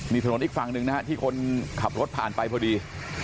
นี่ถนนอีกฝั่งหนึ่งนะฮะที่คนขับรถผ่านไปพอดี